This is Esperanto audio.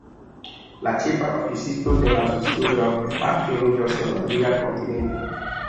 La ĉefa oficisto de la asocio grandparte loĝos en alia kontinento.